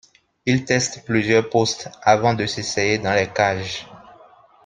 Il teste plusieurs postes, avant de s’essayer dans les cages.